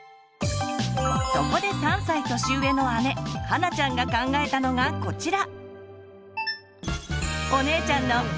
そこで３歳年上の姉はなちゃんが考えたのがこちら。